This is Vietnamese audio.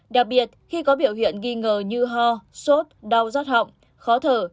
đặc biệt khi có biểu hiện ghi ngờ như ho sốt đau rát họng khó thở